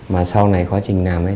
mà sau này quá trình làm ấy